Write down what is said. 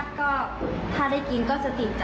รสชาติก็ถ้าได้กินก็จะติดใจค่ะ